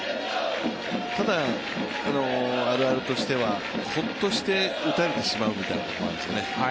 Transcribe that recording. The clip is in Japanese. ただ、あるあるとしてはホッとして打たれてしまうみたいなところがあるんですね。